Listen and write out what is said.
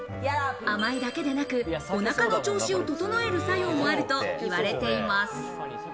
甘いだけでなく、お腹の調子を整える作用もあると言われています。